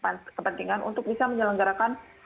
yang memiliki kepentingan untuk bisa menyelenggarakan